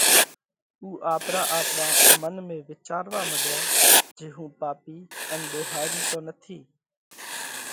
اُو آپرا آپرا منَ ۾ وِيچاروا مڏيا جي هُون پاپِي ان ۮوهارِي تو نٿِي؟